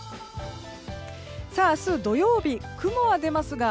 明日土曜日、雲は出ますが